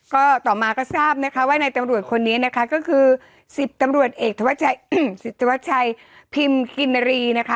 ก็ต่อมาก็ทราบนะคะว่าในตำรวจคนนี้นะคะก็คือ๑๐ตำรวจเอกศิษฐวัชชัยพิมกินรีนะคะ